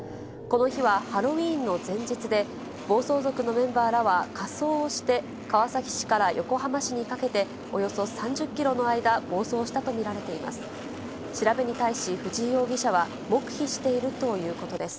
この日は、ハロウィーンの前日で、暴走族のメンバーらは仮装をして、川崎市から横浜市にかけて、およそ３０キロの間、暴走したと見られています。